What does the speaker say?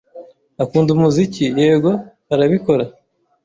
"Akunda umuziki?" "Yego arabikora."